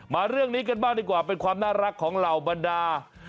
เรื่องนี้กันบ้างดีกว่าเป็นความน่ารักของเหล่าบรรดา